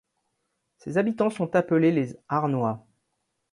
Ses habitants sont appelés les Arnois.